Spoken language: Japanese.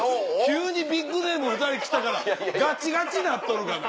急にビッグネーム２人来たからガチガチになっとるがな。